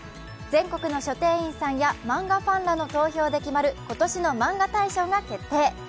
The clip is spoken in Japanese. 全国の書店員さんや漫画ファンらの投票で決まる今年の「マンガ大賞」が決定。